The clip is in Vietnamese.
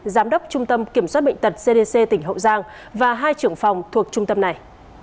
giám đốc trung tâm kiểm soát bệnh tật cdc tỉnh hậu giang và hai trưởng phòng thuộc trung tâm này